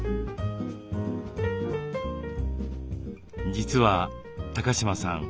実は高島さん